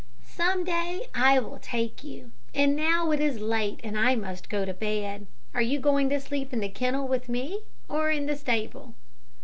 "Some day I will take you, and now it is late and I must go to bed. Are you going to sleep in the kennel with me, or in the stable?"